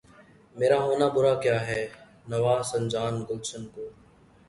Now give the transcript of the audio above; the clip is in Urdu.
میرا ہونا برا کیا ہے‘ نوا سنجانِ گلشن کو!